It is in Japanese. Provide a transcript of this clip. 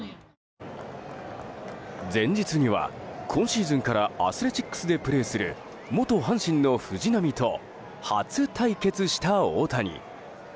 前日には、今シーズンからアスレチックスでプレーする元阪神の藤浪と初対決した大谷。